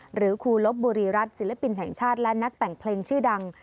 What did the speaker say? หรือครูลบบุรีรัฐศิลปินแห่งชาติและนักแต่งเพลงชื่อดัง